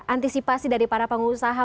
antisipasi dari para pengusaha